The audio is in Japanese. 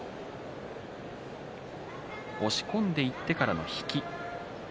押し込んでいってからの引き。